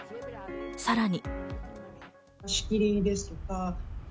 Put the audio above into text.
さらに。